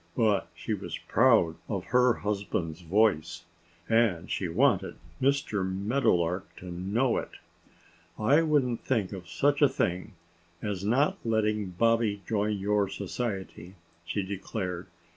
But she was proud of her husband's voice. And she wanted Mr. Meadowlark to know it. "I wouldn't think of such a thing as not letting Bobby join your Society," she declared.